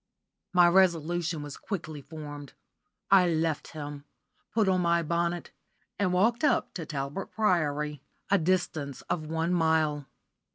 My resolution was quickly formed. I left him, put on my bonnet, and walked up to Talbot Priory, a distance of one mile.